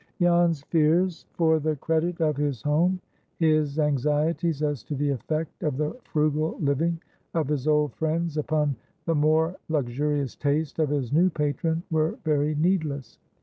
Jan's fears for the credit of his home, his anxieties as to the effect of the frugal living of his old friends upon the more luxurious taste of his new patron, were very needless.